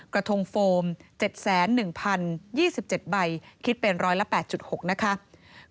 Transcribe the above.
กระทงโฟม๗๐๑๐๒๗ใบคิดเป็น๑๐๘๖ใบ